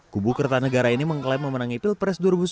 kubu kertanegara ini mengklaim memenangi pilpres dua ribu sembilan belas